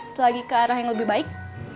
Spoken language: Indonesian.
setelah lagi ke arah yang lebih baik